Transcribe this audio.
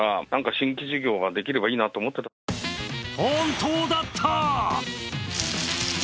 本当だった。